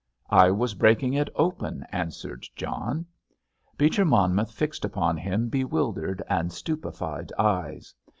"I was breaking it open," answered John. Beecher Monmouth fixed upon him bewildered and stupefied eyes.